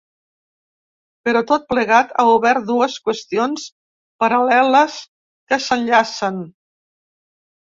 Però tot plegat ha obert dues qüestions paral·leles que s’enllacen.